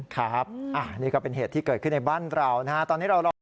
ครับนี่ก็เป็นเหตุที่เกิดขึ้นในบ้านเรานะฮะ